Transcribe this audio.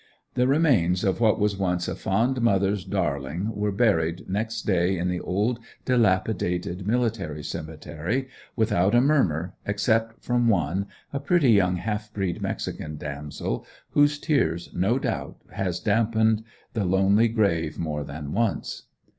The remains of what was once a fond mother's darling were buried next day in the old dilapidated Military Cemetery, without a murmer, except from one, a pretty young half breed mexican damsel, whose tears, no doubt, has dampened the lonely grave more than once.